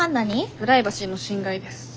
プライバシーの侵害です。